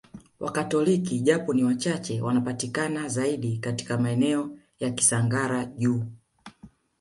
Wakatoliki japo ni wachache wanapatikana zaidi katika maeneo ya Kisangara juu